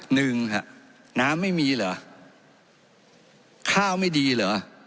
หนึ่งค่ะน้ำไม่มีเหรอข้าวไม่ดีเหรอ